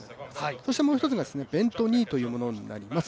そしてもう一つがベント・ニーというものになります